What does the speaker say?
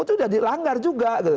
itu udah dilanggar juga